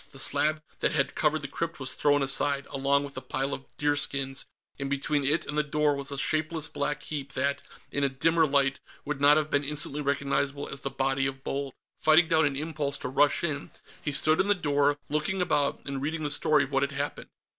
The slab that had covered the crypt was thrown aside, along with the pile of deerskins, and between it and the door was a shapeless black heap that, in a dimmer light, would not have been instantly recognizable as the body of Bold. Fighting down an impulse to rush in, he stood in the door, looking about and reading the story of what had happened.